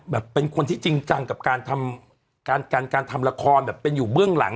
เป็นคนที่จริงจังกับการทำการการทำละครแบบเป็นอยู่เบื้องหลัง